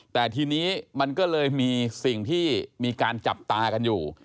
แต่ทีนี้มันก็เลยมีสิ่งที่มีการจับตากันอยู่